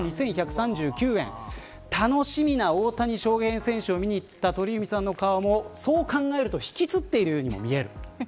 楽しみな大谷翔平選手を見に行った鳥海さんの顔もそう考えると引きつっているように見える。